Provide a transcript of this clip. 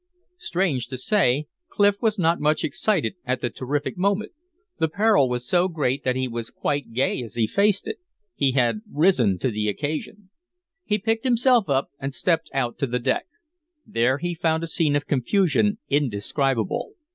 Strange to say, Clif was not much excited at the terrific moment. The peril was so great that he was quite gay as he faced it. He had risen to the occasion. He picked himself up and stepped out to the deck. There he found a scene of confusion indescribable.